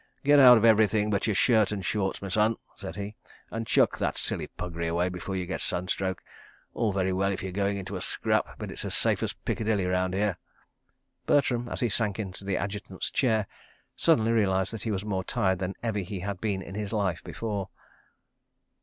"Get out of everything but your shirt and shorts, my son," said he, "and chuck that silly puggri away before you get sunstroke. All very well if you're going into a scrap, but it's as safe as Piccadilly round here." Bertram, as he sank into the Adjutant's chair, suddenly realised that he was more tired than ever he had been in his life before.